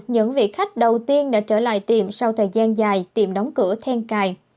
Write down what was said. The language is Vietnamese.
những vị khách đầu tiên đã trở lại tiệm sau thời gian dài tìm đóng cửa then cài